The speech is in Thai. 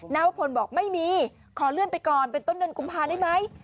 วพลบอกไม่มีขอเลื่อนไปก่อนเป็นต้นเดือนกุมภาได้ไหม